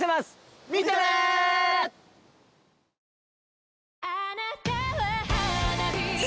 見てね。え？